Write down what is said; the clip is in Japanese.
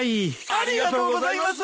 ありがとうございます。